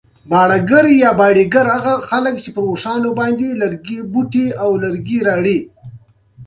رئیس جمهور خپلو عسکرو ته امر وکړ؛ د وسلو ګودامونه ډک کړئ!